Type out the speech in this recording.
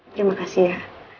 terima kasih ya